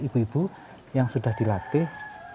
ibu ibu yang sudah dilatih